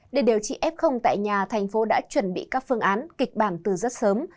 để điều trị f tại nhà thành phố đã chuẩn bị các phương án kịch bản từ rất sớm